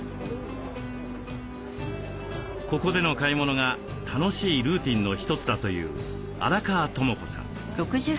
ここでの買い物が楽しいルーティンの一つだという荒川知子さん。